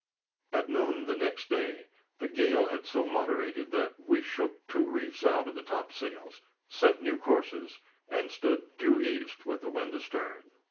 At noon the next day, the gale so moderated that we shook two reefs out of the topsails, set new courses, and stood due east, with the wind astern.